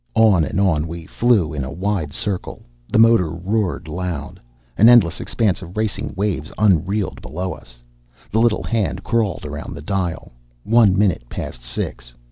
On and on we flew, in a wide circle. The motor roared loud. An endless expanse of racing waves unreeled below us. The little hand crawled around the dial. One minute past six.